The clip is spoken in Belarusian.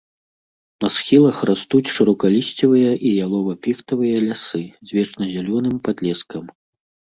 На схілах растуць шырокалісцевыя і ялова-піхтавыя лясы з вечназялёным падлескам.